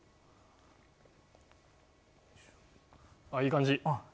いい感じ！